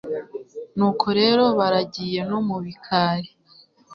nuko rero baragiye no mu bikari